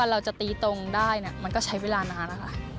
เราจะตีตรงได้มันก็ใช้เวลานานนะคะ